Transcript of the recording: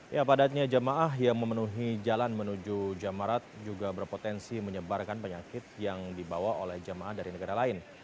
ya padatnya jamaah yang memenuhi jalan menuju jamarat juga berpotensi menyebarkan penyakit yang dibawa oleh jemaah dari negara lain